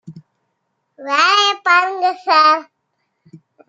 வேலைய பாருங்க சார்